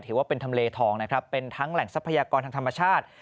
ทำเลทองนะครับเป็นทั้งแหล่งทรัพยากรทางธรรมชาติ